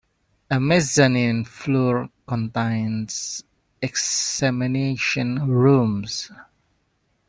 A mezzanine floor contains examination rooms.